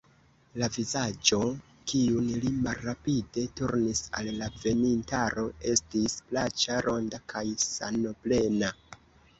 La vizaĝo, kiun li malrapide turnis al la venintaro, estis plaĉa, ronda kaj sanoplena.